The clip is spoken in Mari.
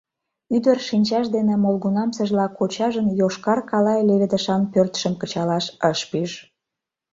Ӱдыр шинчаж дене молгунамсыжла кочажын йошкар калай леведышан пӧртшым кычалаш ыш пиж.